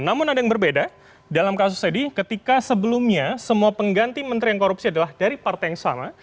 namun ada yang berbeda dalam kasus edy ketika sebelumnya semua pengganti menteri yang korupsi adalah dari partai yang sama